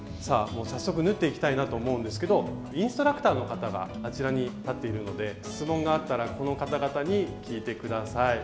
早速縫っていきたいなと思うんですけどインストラクターの方があちらに立っているので質問があったらこの方々に聞いて下さい。